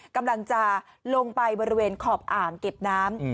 กำลังจะลงไปบริเวณขอบอ่างเก็บน้ำ